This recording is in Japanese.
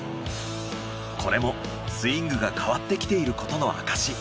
これもスイングが変わってきていることの証し。